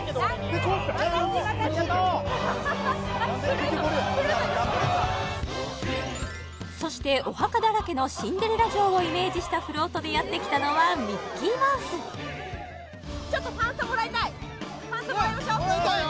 結局俺やそしてお墓だらけのシンデレラ城をイメージしたフロートでやってきたのはミッキーマウスファンサもらいましょうもらいたいよ